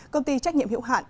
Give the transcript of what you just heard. công ty trách nhiệm hiệu hạn